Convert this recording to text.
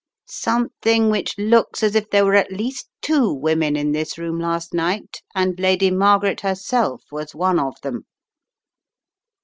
"Something which looks as if there were at least two women in this room last night, and Lady Margaret herself was one of them."